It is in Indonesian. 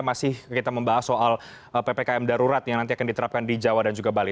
masih kita membahas soal ppkm darurat yang nanti akan diterapkan di jawa dan juga bali